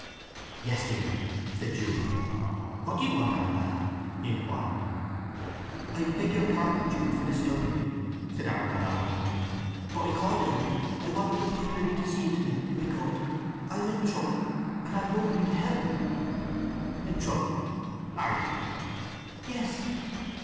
"Yes, dear," said Jude. "What do you want, Arabella?" he inquired. "I beg your pardon, Jude, for disturbing you," said Arabella humbly. "But I called earlier—I wanted particularly to see you to night, if I could. I am in trouble, and have nobody to help me!" "In trouble, are you?" "Yes."